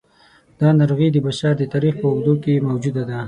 دا ناروغي د بشر د تاریخ په اوږدو کې موجوده ده.